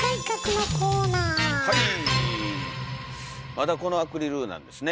まだこのアクリルなんですね。